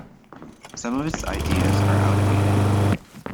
Some of its ideas are outdated.